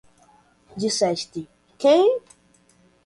Disseste "Quem"?